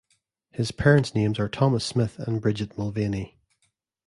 His parents names are Thomas Smith and Bridget Mulvaney.